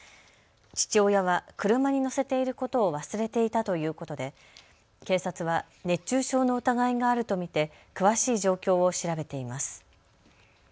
父親は車に乗せていることを忘れていたということで警察は熱中症の疑いがあると見て詳しい状況を調べています。